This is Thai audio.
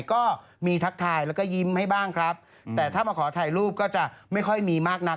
ก็มีทักทายแล้วก็ยิ้มให้บ้างครับแต่ถ้ามาขอถ่ายรูปก็จะไม่ค่อยมีมากนัก